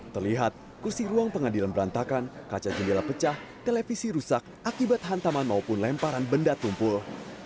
terlihat kursi ruang pengadilan berantakan kaca jendela pecah televisi rusak akibat hantaman maupun lemparan benda tumpul